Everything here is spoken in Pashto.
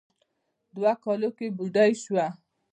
دوو کالو کې بوډۍ سوه.